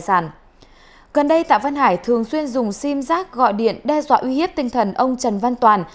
gần đây tạ văn hải thường xuyên dùng sim giác gọi điện đe dọa uy hiếp tinh thần ông trần văn toàn